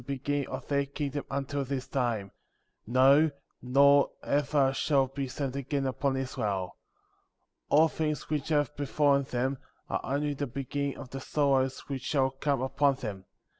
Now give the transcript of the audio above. beginning of their kingdom until this time; no, nor ever shall be sent again upon Israel. 19. All things which have befallen them, are only the beginning of the sorrows which shall come upon them.